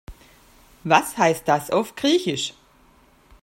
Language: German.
Was heißt das auf Griechisch?